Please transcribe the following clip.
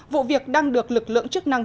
vụ việc đang được lực lượng chức năng